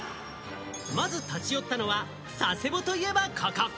まず立ち寄ったのは、佐世保といえばここ。